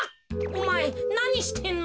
おまえなにしてんの？